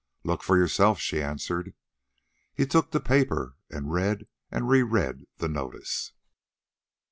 "Look for yourself," she answered. He took the paper, and read and reread the notice.